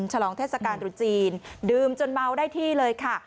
ฉลองเทศกาลตรุษจีนดื่มจนเมาได้ที่เลยค่ะ